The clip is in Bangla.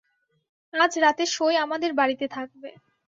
আজ রাতে সই আমাদের বাড়িতে থাকবে।